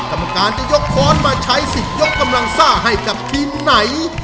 กรรมการจะยกค้อนมาใช้สิทธิ์ยกกำลังซ่าให้กับทีมไหน